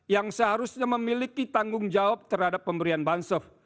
yang seharusnya memiliki tanggung jawab terhadap pemberian bansof